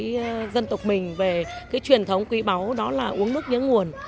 tôi tự hào về cái dân tộc mình về cái truyền thống quý báu đó là uống nước nhớ nguồn